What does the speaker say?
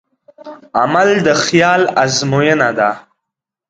عمل د خیال ازموینه ده.